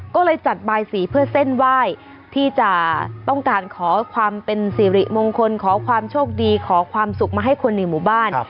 ก็เลยจัดบายสีเพื่อเส้นไหว้ที่จะต้องการขอความเป็นสิริมงคลขอความโชคดีขอความสุขมาให้คนในหมู่บ้าน